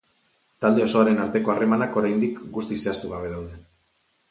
Talde osoaren arteko harremanak oraindik guztiz zehaztu gabe daude.